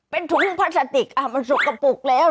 เป็นถุงพลาสติกอ้าวมันสุกปลูกแล้ว